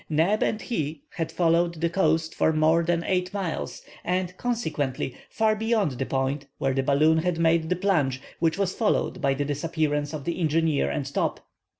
Neb and he had followed the coast for more than eight miles, and, consequently, far beyond the point where the balloon had made the plunge which was followed by the disappearance of the engineer and Top.